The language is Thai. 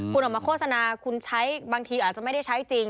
คุณออกมาโฆษณาคุณใช้บางทีอาจจะไม่ได้ใช้จริง